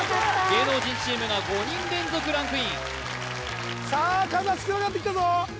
芸能人チームが５人連続ランクインさあ数が少なくなってきたぞ